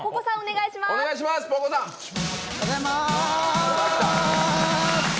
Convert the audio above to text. おはようございまーす。